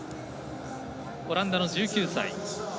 オランダの１９歳。